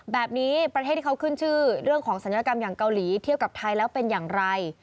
ประเทศที่เขาขึ้นชื่อเรื่องของศัลยกรรมอย่างเกาหลีเที่ยวกับไทยแล้วเป็นอย่างไร